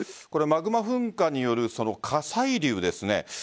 マグマ噴火による火砕流です。